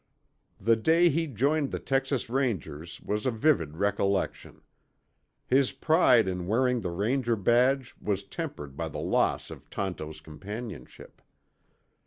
The day he joined the Texas Rangers was a vivid recollection. His pride in wearing the Ranger badge was tempered by the loss of Tonto's companionship.